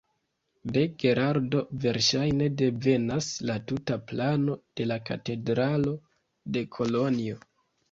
De Gerardo verŝajne devenas la tuta plano de la katedralo de Kolonjo.